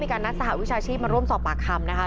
การนัดสหวิชาชีพมาร่วมสอบปากคำนะคะ